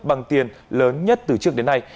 bằng tiền lớn nhất từ trước đến nay